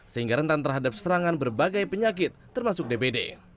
sehingga rentan terhadap serangan berbagai penyakit termasuk dbd